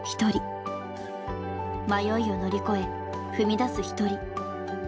迷いを乗り越え踏み出す一人。